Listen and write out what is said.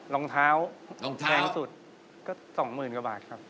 อ๋อรองเท้าแพงสุดก็สองหมื่นกว่าบาทครับ